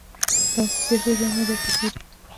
دا هم پر سياسي ژوند باندي اغيزي لري